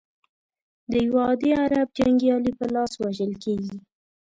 د یوه عادي عرب جنګیالي په لاس وژل کیږي.